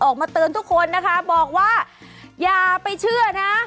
ออกมาเตือนทุกคนนะคะบอกว่าอย่าไปเชื่อนะ